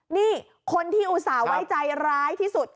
นี่คนที่อุตส่าห์ไว้ใจร้ายที่สุด